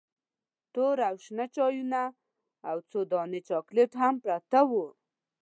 تور او شنه چایونه او څو دانې چاکلیټ هم پراته وو.